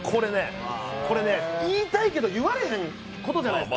これね言いたいけど言われへんことじゃないですか。